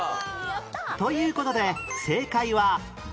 という事で正解は Ｂ